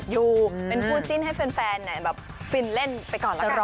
อยากเล่นสินเพิ่ม